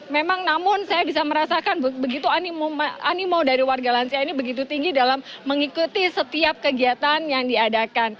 memang namun saya bisa merasakan begitu animo dari warga lansia ini begitu tinggi dalam mengikuti setiap kegiatan yang diadakan